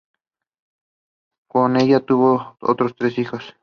Con ella tuvo otros tres hijos.